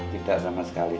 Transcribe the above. tidak sama sekali